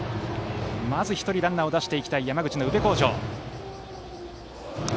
まず、１人ランナーを出したい山口の宇部鴻城。